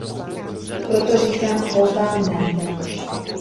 Proto říkám kvótám ne.